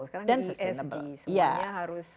sekarang esg semuanya harus